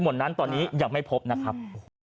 หมดนั้นตอนนี้ยังไม่พบนะครับ